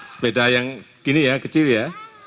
sepeda yang gini ya kecil ya